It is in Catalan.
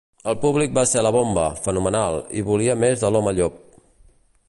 El públic va ser la bomba, fenomenal, i volia més de l'home llop.